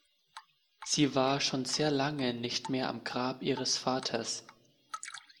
Sie war schon sehr lange nicht mehr am Grab ihres Vaters.